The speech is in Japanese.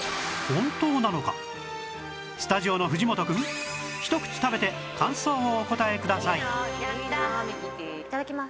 スタジオの藤本くんひと口食べて感想をお答えくださいいただきます。